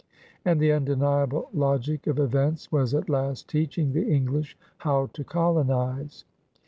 And the undeniable logic of events was at last teaching the English how to colonize.